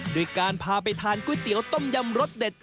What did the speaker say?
ด้วยการพาไปทานก๋วยเตี๋ยวต้มยำรสเด็ด